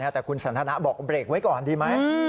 แต่คุณสันทนาบอกเบรกไว้ก่อนดีไหม